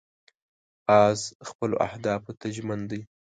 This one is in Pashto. باز خپلو اهدافو ته ژمن دی